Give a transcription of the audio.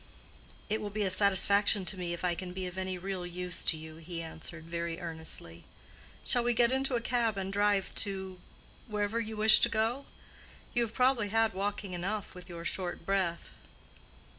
"It will be a satisfaction to me if I can be of any real use to you," he answered, very earnestly. "Shall we get into a cab and drive to—wherever you wish to go? You have probably had walking enough with your short breath."